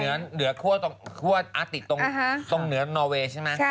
มันอยู่ขวดอาติซ์ตรงเหนือที่นอร์เวย์ใช่ไหม